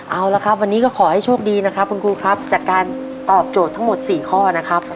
เอาละครับวันนี้ก็ขอให้โชคดีนะครับคุณครูครับจากการตอบโจทย์ทั้งหมด๔ข้อนะครับ